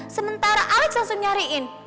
sementara alex langsung nyariin